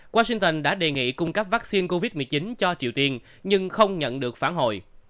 washington đã đề nghị cung cấp vaccine covid một mươi chín cho triều tiên nhưng không nhận được phản hồi